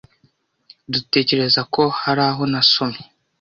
Dutekereza ko hari aho nasomye.